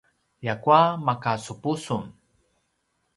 ljakua makasupu sun